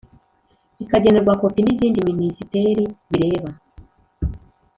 ikagenerwa kopi n izindi Minisiteri bireba